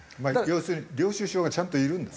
要するに領収書がちゃんといるんだ。